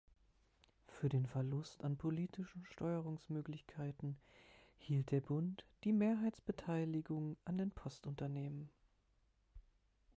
Für den Verlust an politischen Steuerungsmöglichkeiten hielt der Bund die Mehrheitsbeteiligung an den Postunternehmen.